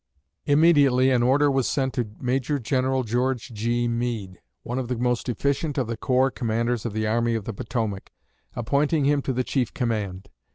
_'" Immediately an order was sent to Major General George G. Meade, one of the most efficient of the corps commanders of the Army of the Potomac, appointing him to the chief command.